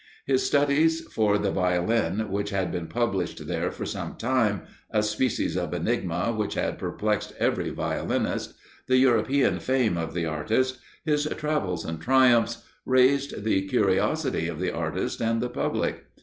His studies for the Violin, which had been published there for some time a species of enigma which had perplexed every violinist; the European fame of the artist, his travels and triumphs, raised the curiosity of the artists and the public.